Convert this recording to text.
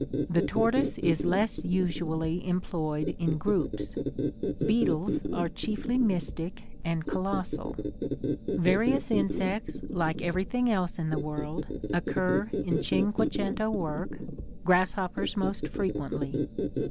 The tortoise is less usually employed in groups. Beetles are chiefly mystic and colossal. Various insects, like everything else in the world, occur in cinque cento work; grasshoppers most frequently.